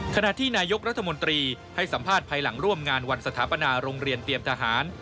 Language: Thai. ขณะที่นายกรัฐมนตรีให้สัมภาษณ์ภายหลังร่วมงานวันสถาปนาโรงเรียนเตรียมทหาร